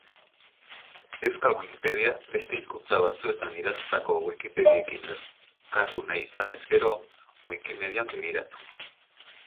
Euskal Wikipedia beste hizkuntza batzuetan idatzitako Wikipediekin erkatu nahi izanez gero, WikiMedian begiratu.